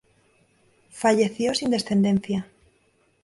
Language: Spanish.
Falleció sin descendencia.